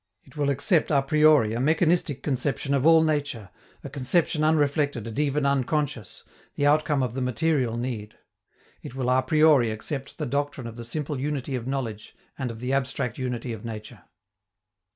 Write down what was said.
It will accept a priori a mechanistic conception of all nature, a conception unreflected and even unconscious, the outcome of the material need. It will a priori accept the doctrine of the simple unity of knowledge and of the abstract unity of nature.